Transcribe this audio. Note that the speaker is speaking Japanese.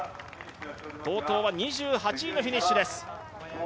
ＴＯＴＯは２８位のフィニッシュです。